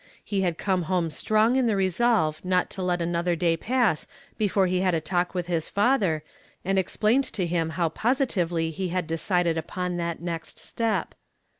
He had come home strong in the resolve to let not another day pass b3fore he had a talk with his father, and explained to him how posi tively he had decided upon that next step.